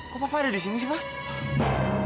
kok papa ada di sini sih pak